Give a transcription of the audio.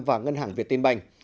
và ngân hàng việt tên bành